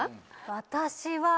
私は。